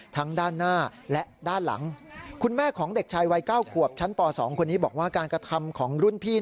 ทั้งด้านหน้าและด้านหลัง